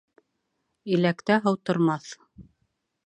Иләктә һыу тормаҫ